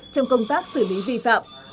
trong công tác xử lý vi phạm